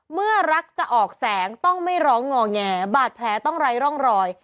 เมื่อรักจะออกแสงต้องไม่ร้องงอแงบาดแผลต้องไร้ร่องรอย